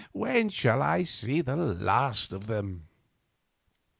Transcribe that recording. when shall I see the last of them?"